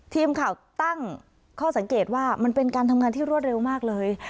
ทีมข่าวตั้งข้อสังเกตว่ามันเป็นการทำงานที่รวดเร็วมากเลย